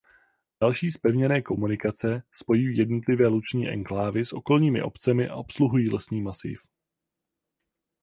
Další zpevněné komunikace spojují jednotlivé luční enklávy s okolními obcemi a obsluhují lesní masív.